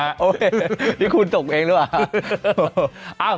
โอเคนี่คุณส่งเองด้วยหรือว่า